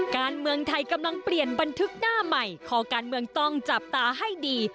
การเมืองไทยกำลังเปลี่ยนบันทึกหน้าใหม่คอการเมืองต้องจับตาให้ดี